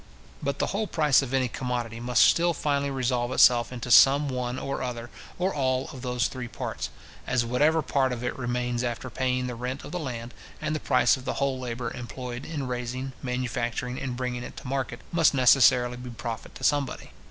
But the whole price of any commodity must still finally resolve itself into some one or other or all of those three parts; as whatever part of it remains after paying the rent of the land, and the price of the whole labour employed in raising, manufacturing, and bringing it to market, must necessarily be profit to somebody.